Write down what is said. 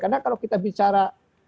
karena kalau kita bicara